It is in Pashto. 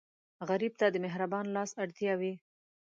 غریب ته د مهربان لاس اړتیا وي